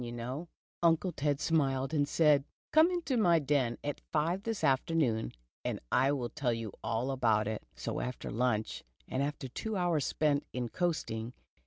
you know ?'' Uncle Xed smiled, and said :" Come into my den at five this afternoon, and I will tell you all about it." So after luncheon, and after tvvo hours spent in coasting